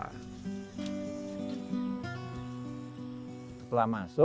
setelah masuk baru akan dilakukan namanya penyakit khusus